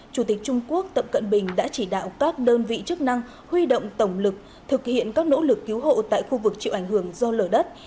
chủ tịch trung quốc tập cận bình đã chỉ đạo các đơn vị chức năng huy động tổng lực thực hiện các nỗ lực cứu hộ tại khu vực chịu ảnh hưởng do lở đất